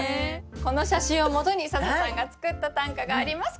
この写真をもとに笹さんが作った短歌があります